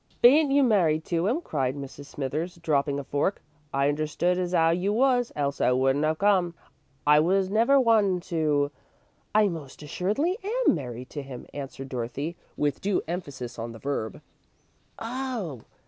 "Be n't you married to 'im?" cried Mrs. Smithers, dropping a fork. "I understood as 'ow you was, else I wouldn't 'ave come. I was never one to " "I most assuredly am married to him," answered Dorothy, with due emphasis on the verb. "Oh!